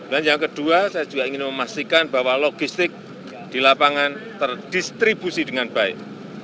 dan yang kedua saya juga ingin memastikan bahwa logistik di lapangan terdistribusi dengan baik